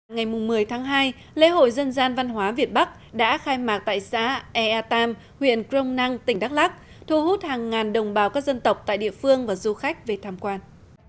ngày một mươi tháng hai lễ hội dân gian văn hóa việt bắc đã khai mạc tại xã ea tam huyện crom năng tỉnh đắk lắc thu hút hàng ngàn đồng bào các dân tộc tại địa phương và du khách về tham quan